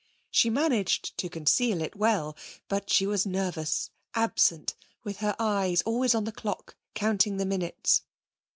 She managed to conceal it well, but she was nervous, absent, with her eyes always on the clock, counting the minutes.